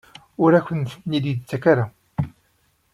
Ur akent-ten-id-yettak ara?